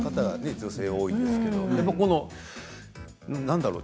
女性が多いですけれどもなんだろう